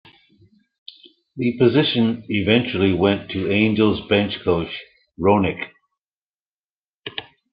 The position eventually went to Angels bench coach Roenicke.